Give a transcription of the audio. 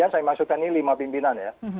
saya maksudkan ini lima pimpinan ya